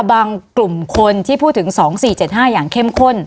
กลุ่มคนที่พูดถึง๒๔๗๕อย่างเข้มข้น